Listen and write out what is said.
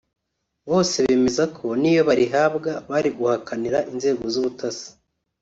bose bemeza ko niyo barihabwa bari guhakanira inzego z’ubutasi